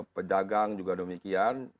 pedagang juga demikian